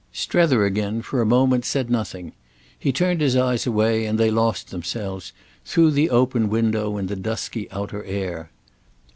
Strether again, for a moment, said nothing; he turned his eyes away, and they lost themselves, through the open window, in the dusky outer air.